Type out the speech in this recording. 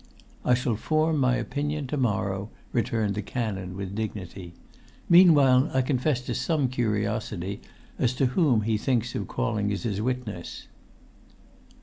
"I shall form my opinion to morrow," returned the canon, with dignity. "Meanwhile I confess to some curiosity as to whom he thinks of calling as his witness."